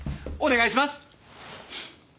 お願いします。